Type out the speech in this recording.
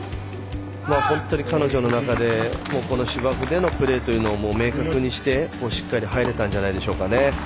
本当に彼女の中でこの芝生でのプレーというのを明確にしてしっかり入れたんじゃないでしょうか。